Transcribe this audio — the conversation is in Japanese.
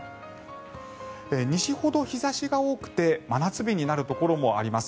西ほど日差しが多くて真夏日になるところもあります。